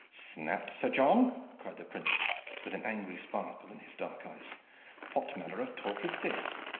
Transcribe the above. "Snapped, Sir John!" cried the prince, with an angry sparkle in his dark eyes. "What manner of talk is this?